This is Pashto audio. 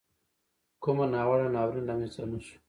کومه ناوړه ناورین را مینځته نه سو.